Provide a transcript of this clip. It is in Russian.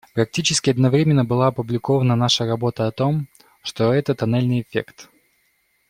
Практически одновременно была опубликована наша работа о том, что это тоннельный эффект.